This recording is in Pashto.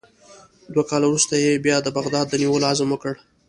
دوه کاله وروسته یې بیا د بغداد د نیولو عزم وکړ.